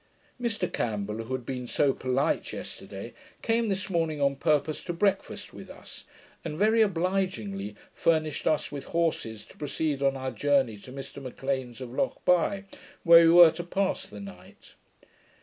Mr Campbell, who had been so polite yesterday, came this morning on purpose to breakfast with us, and very obligingly furnished us with horses to proceed on our journey to Mr M'Lean's of Lochbuy, where we were to pass the night.